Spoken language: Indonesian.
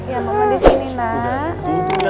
ya mama disini nak